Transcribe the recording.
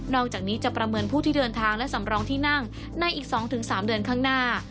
อกจากนี้จะประเมินผู้ที่เดินทางและสำรองที่นั่งในอีก๒๓เดือนข้างหน้า